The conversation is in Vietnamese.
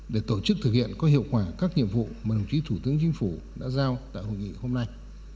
để tổ chức thực hiện có hiệu quả các nhiệm vụ mà đồng chí thủ tướng chính phủ đã giao tại hội nghị hôm nay